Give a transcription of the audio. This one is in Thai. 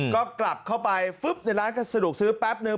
ก็กลับเข้าไปฟึ๊บในร้านสะดวกซื้อแป๊บนึง